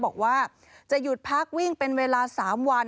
บอกว่าจะหยุดพักวิ่งเป็นเวลา๓วัน